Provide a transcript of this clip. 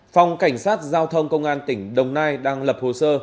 phòng cảnh sát giao thông công an tỉnh đồng nai đang lập hồ sơ